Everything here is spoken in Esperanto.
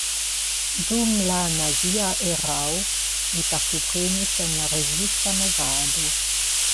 Dum la nazia erao li partoprenis en la rezista movado.